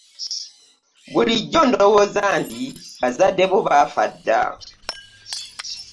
Bulijjo ndowooza nti bazadde bo baafa dda!